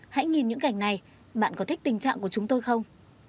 hãy nhìn những cảnh này bạn có thích tình trạng của chúng tôi không